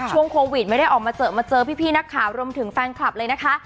ช่วงโควิดไม่ได้ออกมาเจอมาเจอพี่นักข่าวรวมถึงแฟนคลับเลยนะคะ